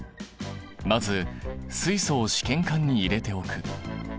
まず水素を試験管に入れておく。